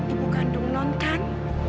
ibu kandung non kan